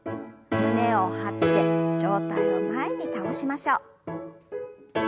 胸を張って上体を前に倒しましょう。